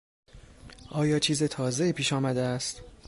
آیا چیز تازهای پیشآمده است؟